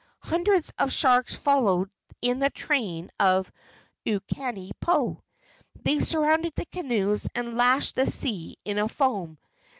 Hundreds of sharks followed in the train of Ukanipo. They surrounded the canoes and lashed the sea into foam.